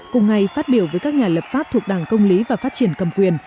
cùng ngày phát biểu với các nhà lập pháp thuộc đảng công lý và phát triển cầm quyền